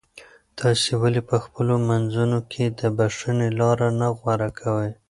تاسو ولې په خپلو منځونو کې د بښنې لاره نه غوره کوئ؟